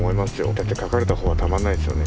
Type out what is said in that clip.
だって書かれたほうはたまんないですよね。